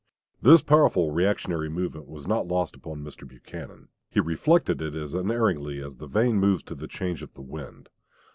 This powerful reactionary movement was not lost upon Mr. Buchanan. He reflected it as unerringly as the vane moves to the change of the wind.